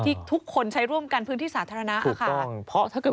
ที่ทุกคนใช้ร่วมกันพื้นที่สาธารณะถูกต้องเพราะถ้าเกิด